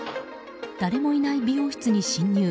誰もいない美容室に侵入。